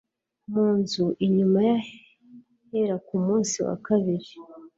mu nzu inyuma y ahera ku munsi wa kabiri